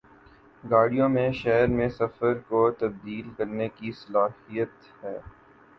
گاڑیوں میں شہر میں سفر کو تبدیل کرنے کی صلاحیت ہے